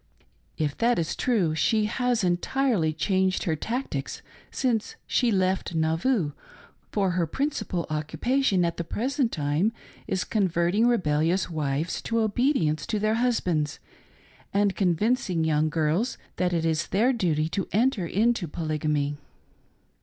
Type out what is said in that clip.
If that is true she has entirely changed her tactics since she left Nauvoo, for her principal occupation at the present time is converting rebellious wives to obedience to their husbands and convincing young girls that it is their 'duty to enter into Polygamy.